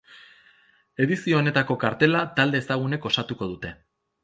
Edizio honetako kartela talde ezagunek osatuko dute.